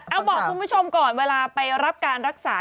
เอาบอกคุณผู้ชมก่อนเวลาไปรับการรักษา